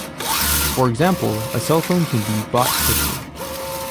For example, a cell phone can be bought quickly.